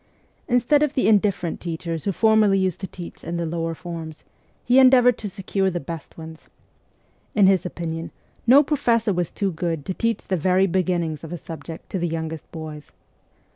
Instead of the indifferent teachers who formerly used to teach in the lower forms, he endeavoured to secure the best ones. In his opinion, no professor was too good to teach the very beginnings of a subject to the youngest boys.